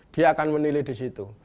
dia akan menilai di situ